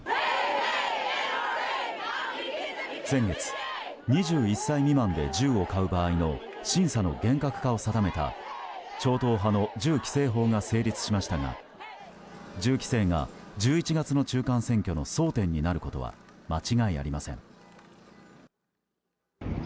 先月、２１歳未満で銃を買う場合の審査の厳格化を定めた超党派の銃規制法が成立しましたが銃規制が１１月の中間選挙の争点になることは間違いありません。